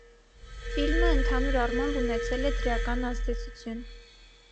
Ֆիլմը ընդհանուր առմամբ ունեցել է դրական ազդեցություն։